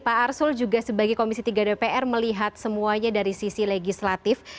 pak arsul juga sebagai komisi tiga dpr melihat semuanya dari sisi legislatif